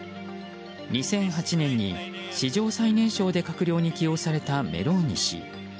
２００８年に史上最年少で閣僚に起用されたメローニ氏。